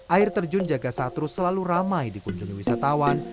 air terjun jaga satru selalu ramai dikunjungi wisatawan